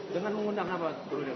dengan mengundang apa